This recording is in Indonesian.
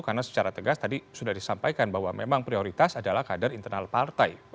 karena secara tegas tadi sudah disampaikan bahwa memang prioritas adalah kader internal partai